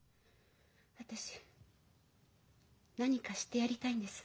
私何かしてやりたいんです。